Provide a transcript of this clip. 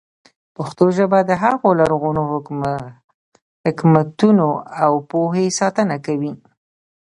پښتو ژبه د هغو لرغونو حکمتونو او پوهې ساتنه کوي.